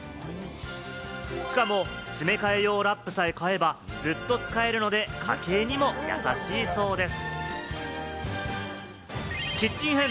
しかも詰め替え用ラップさえ買えば、ずっと使えるので、家計にも優しいそうです。